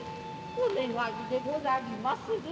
お願いでござりまする。